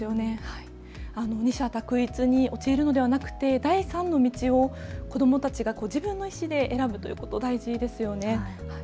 二者択一に陥るのではなくて第３の道を子どもたちが自分の意志で選ぶということが大事ですね。